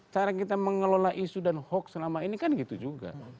cara kita mengelola isu dan hoax selama ini kan gitu juga